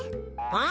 あ？